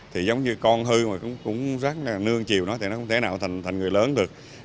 thì giống như con hư mà cũng rất là nương chiều nó thì nó không thể nào thành người lớn được